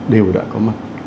đều đã có mặt